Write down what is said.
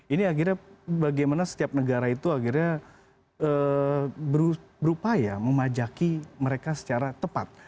ini akhirnya bagaimana setiap negara itu akhirnya berupaya memajaki mereka secara tepat